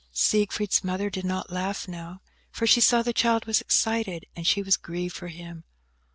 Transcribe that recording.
Siegfried's mother did not laugh now, for she saw the child was excited; and she was grieved for him.